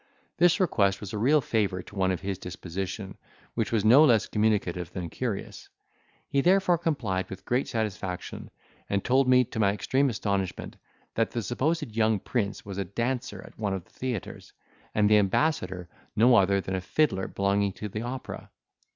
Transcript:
This request was a real favour to one of his disposition, which was no less communicative than curious; he therefore complied with great satisfaction, and told me, to my extreme astonishment, that the supposed young prince was a dancer at one of the theatres, and the ambassador no other than a fiddler belonging to the opera.